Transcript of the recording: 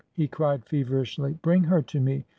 " he cried feverishly. Bring her to me!